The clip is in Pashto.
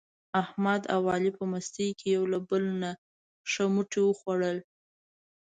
احمد او علي په مستۍ کې یو له بل نه ښه موټي و خوړل.